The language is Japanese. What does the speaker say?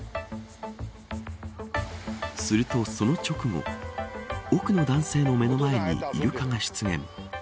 するとその直後奥の男性の目の前にイルカが出現。